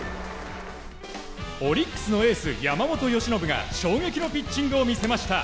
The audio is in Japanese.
オリックスのエース山本由伸が衝撃のピッチングを見せました。